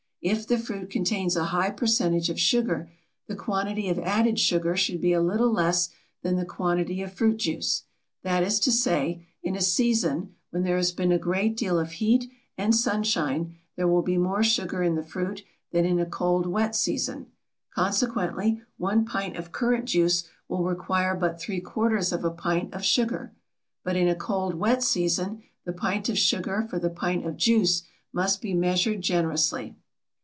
If the fruit contains a high percentage of sugar, the quantity of added sugar should be a little less than the quantity of fruit juice. That is to say, in a season when there has been a great deal of heat and sunshine there will be more sugar in the fruit than in a cold, wet season; consequently, 1 pint of currant juice will require but three quarters of a pint of sugar. But in a cold, wet season the pint of sugar for the pint of juice must be measured generously.